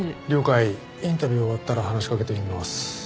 インタビュー終わったら話しかけてみます。